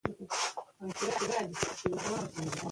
د پرېکړو کیفیت ارزښت لري